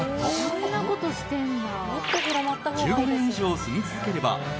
こんなことしてんだ。